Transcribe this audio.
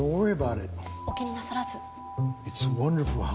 「お気になさらず」。